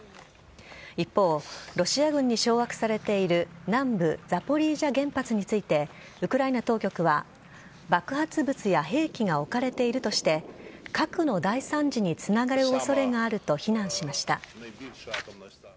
一方、ロシア軍に掌握されている南部ザポリージャ原発についてはウクライナ当局は爆発物や兵器が置かれているとして核の大惨事につながる恐れがあると非難しました。